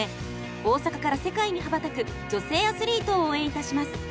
大阪から世界に羽ばたく女性アスリートを応援いたします。